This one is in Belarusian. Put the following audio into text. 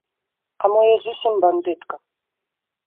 А мо я зусім бандытка?